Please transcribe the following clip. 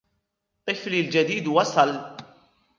طفلي الجديد وصل!